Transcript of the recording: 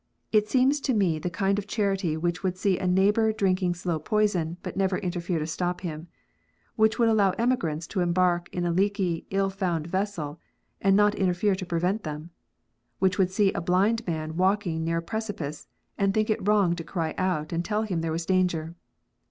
It seems to me the kind of charity which would see a neighbour drinking slow poison, but never interfere to stop him ; which would allow emigrants to embark in a leaky, ill found vessel, and not interfere to prevent them ; which would see a blind man walking near a precipice, and think it wrong to cry out, and tell him there was danger.